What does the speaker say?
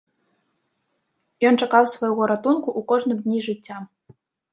Ён чакаў свайго ратунку ў кожным дні жыцця.